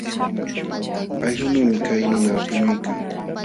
Allqunuumi hay nuna puñuykan.